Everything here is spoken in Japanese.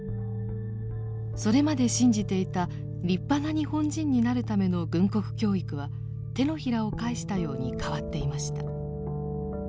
それまで信じていた立派な日本人になるための軍国教育は手のひらを返したように変わっていました。